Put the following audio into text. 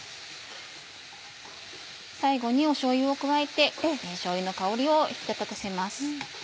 最後にしょうゆを加えてしょうゆの香りを引き立たせます。